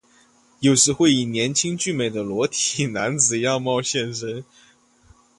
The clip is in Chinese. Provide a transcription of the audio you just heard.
有时会以年轻俊美的裸体男子样貌现身。